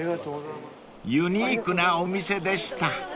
［ユニークなお店でした］